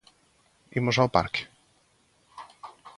¿Imos ao parque?